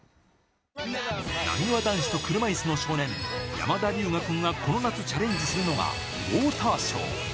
なにわ男子と車いすの少年、山田龍芽君がこの夏チャレンジするのが、ウォーターショー。